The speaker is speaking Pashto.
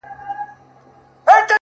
• خو دا لمر بيا په زوال د چا د ياد ؛